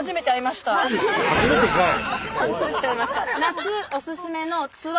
初めてかい！